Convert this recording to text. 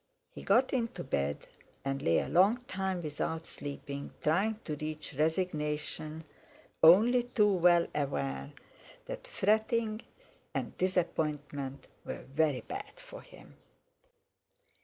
He got into bed, and lay a long time without sleeping, trying to reach resignation, only too well aware that fretting and disappointment were very bad for him.